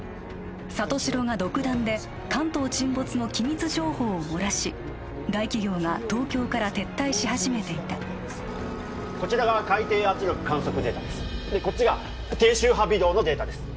里城が独断で関東沈没の機密情報を漏らし大企業が東京から撤退し始めていたこちらが海底圧力観測データですでこっちが低周波微動のデータです